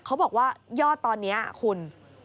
เขาบอกว่ายอดตอนนี้๑๐๔คน